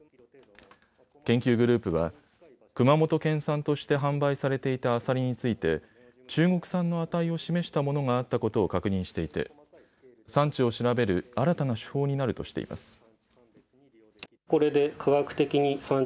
研究グループは熊本県産として販売されていたアサリについて中国産の値を示したものがあったことを確認していて産地を調べる新たな手法になるとしています。